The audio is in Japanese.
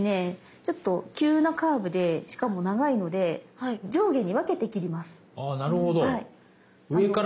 ちょっと急なカーブでしかも長いので上下に分けて切ります。